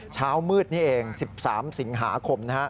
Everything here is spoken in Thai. เช้ามืดนี้เอง๑๓สิงหาคม